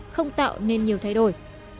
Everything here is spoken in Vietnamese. không tạo nên nhiều thay đổi